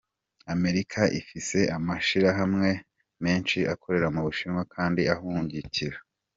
"Amerika ifise amashirahamwe menshi akorera mu Bushinwa kandi ahungukira.